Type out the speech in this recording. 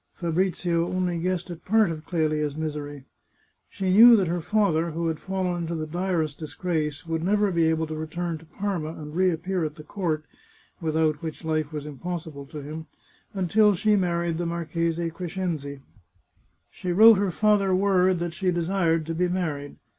Fabrizio only guessed at part of Clelia's misery. She knew that her father, who had fallen into the direst dis grace, would never be able to return to Parma and reappear at the court (without which life was impossible to him) until she married the Marchese Crescenzi. She wrote her father word that she desired to be married.